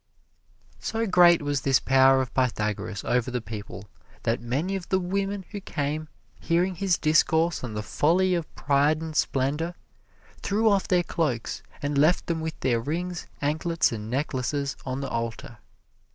So great was this power of Pythagoras over the people that many of the women who came, hearing his discourse on the folly of pride and splendor, threw off their cloaks, and left them with their rings, anklets and necklaces on the altar.